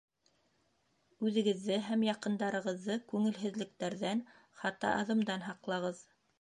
Үҙегеҙҙе һәм яҡындарығыҙҙы күңелһеҙлектәрҙән, хата аҙымдан һаҡлағыҙ.